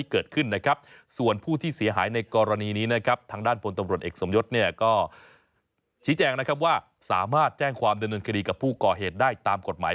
กับผู้ที่กระทำผิดได้